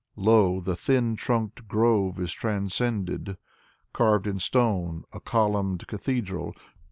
Lo, the thin trunked grove is transcended: Carved in stone, a columned cathedral.